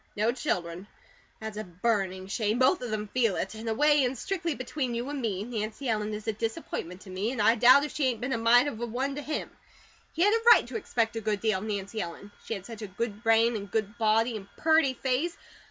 No children. That's a burning shame! Both of them feel it. In a way, and strictly between you and me, Nancy Ellen is a disappointment to me, an' I doubt if she ain't been a mite of a one to him. He had a right to expect a good deal of Nancy Ellen. She had such a good brain, and good body, and purty face.